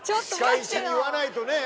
仕返しに言わないとね。